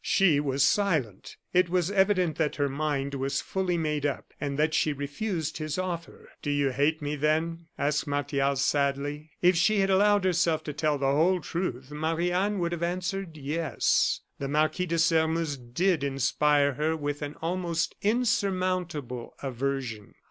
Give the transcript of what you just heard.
She was silent. It was evident that her mind was fully made up, and that she refused his offer. "Do you hate me, then?" asked Martial, sadly. If she had allowed herself to tell the whole truth Marie Anne would have answered "Yes." The Marquis de Sairmeuse did inspire her with an almost insurmountable aversion.